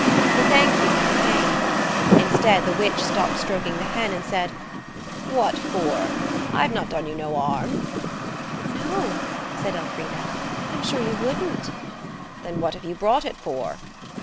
The "Thank you" never came. Instead, the witch stopped stroking the hen, and said– "What for? I've not done you no 'arm." "No," said Elfrida. "I'm sure you wouldn't." "Then what have you brought it for?"